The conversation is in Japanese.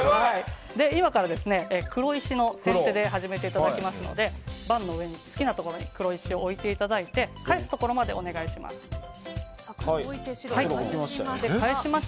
今から黒石の先手で始めていただきますので盤の上の好きなところに黒石を置いていただいて返すところまでお願いします。